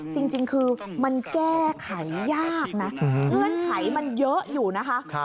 จริงคือมันแก้ไขยากนะเงื่อนไขมันเยอะอยู่นะคะ